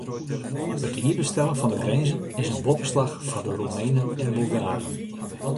It iepenstellen fan de grinzen is in boppeslach foar de Roemenen en Bulgaren.